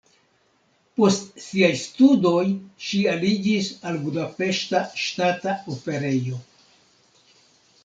Post siaj studoj ŝi aliĝis al Budapeŝta Ŝtata Operejo.